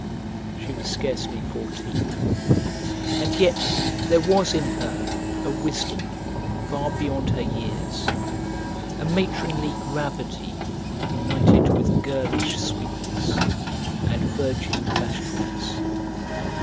She was scarcely fourteen, and yet there was in her a wisdom far beyond her years, a matronly gravity united with girlish sweetness and virgin bashfulness.